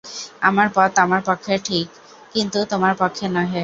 আমার পথ আমার পক্ষে ঠিক, কিন্তু তোমার পক্ষে নহে।